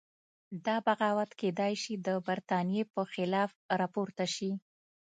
دا بغاوت کېدای شي د برتانیې په خلاف راپورته شي.